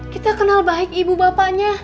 kita kenal baik ibu bapaknya